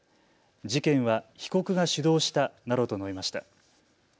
事件は被告が主導したなどと述べました。